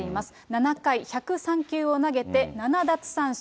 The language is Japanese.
７回１０３球を投げて７奪三振。